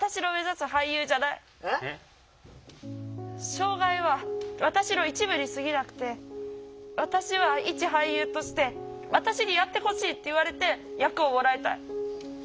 障害は私の一部にすぎなくて私は一俳優として私にやってほしいって言われて役をもらいたい。